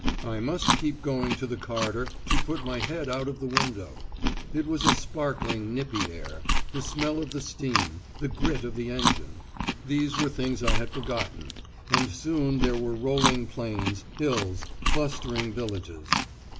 I must keep going to the corridor to put my head out of the window. It was a sparkling, nippy air; the smell of the steam, the grit of the engine these were things I had forgotten; and soon there were rolling plains, hills, clustering villages.